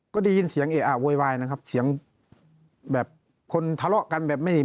ก็ได้ยินเสียงเออะโวยวายนะครับเสียงแบบคนทะเลาะกันแบบไม่